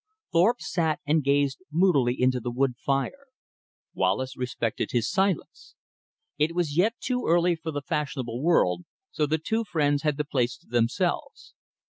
Thorpe sat and gazed moodily into the wood fire, Wallace respected his silence. It was yet too early for the fashionable world, so the two friends had the place to themselves.